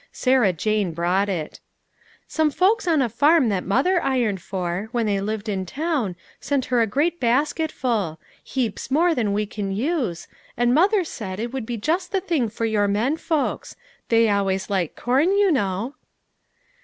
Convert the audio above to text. Sarah Jane brought it. " Some folks on a farm that mother ironed for, when they lived in town, sent her a great basket full ; heaps more than we can use, and mother said it would be just the thing for your men folks ; they always like corn, you know."